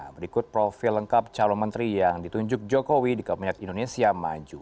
berikut profil lengkap calon menteri yang ditunjuk jokowi di kabinet indonesia maju